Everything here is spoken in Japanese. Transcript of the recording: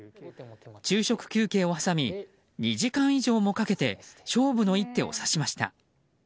昼食休憩を挟み２時間以上もかけて勝負の一手を指しました。